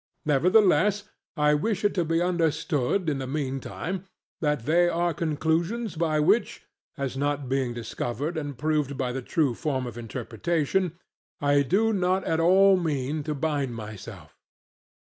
Nevertheless I wish it to be understood in the meantime that they are conclusions by which (as not being discovered and proved by the true form of interpretation) I do not at all mean to bind myself.